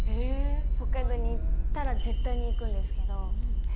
北海道に行ったら、絶対に行くんですけど。